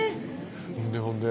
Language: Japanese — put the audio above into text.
ほんでほんで？